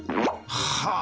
はあ！